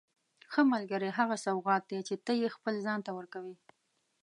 ښه ملګری هغه سوغات دی چې ته یې خپل ځان ته ورکوې.